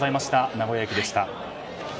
名古屋駅でした。